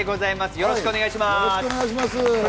よろしくお願いします！